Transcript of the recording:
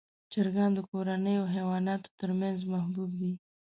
چرګان د کورنیو حیواناتو تر منځ محبوب دي.